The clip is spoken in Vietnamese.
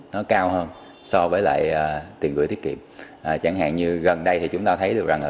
nó cao hơn so với lại tiền gửi tiết kiệm chẳng hạn như gần đây thì chúng ta thấy được rằng là